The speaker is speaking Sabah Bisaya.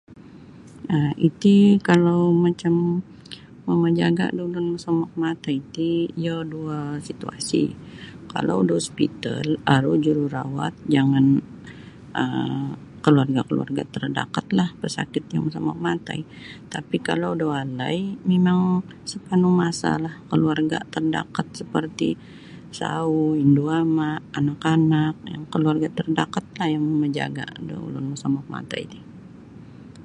um Iti kalau macam mamajaga da ulun masomok matai ti iyo duo satuasi kalau da hospital aru jururawat jangan um keluarga-keluarga terdakatlah pesakit yang mosomok matai tapi kalau da walai mimang sepanuh masa lah keluarga terdekat seperti sauh, indu ama anak-anak keluarga terdekatlah yang mamajaga da ulum mosomok natai ti.